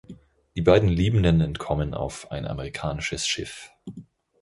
Die beiden Liebenden entkommen auf ein amerikanisches Schiff.